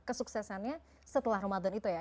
kesuksesannya setelah ramadan itu ya